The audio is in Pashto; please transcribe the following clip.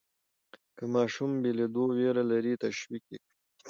که ماشوم بېلېدو وېره لري، تشویق یې کړئ.